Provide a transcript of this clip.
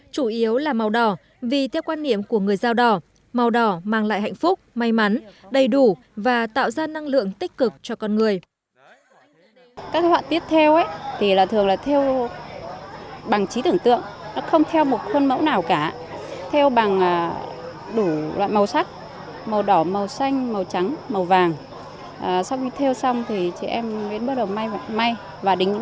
chủ yếu là màu đỏ vì theo quan niệm của người dao đỏ màu đỏ mang lại hạnh phúc may mắn đầy đủ và tạo ra năng lượng tích cực cho con người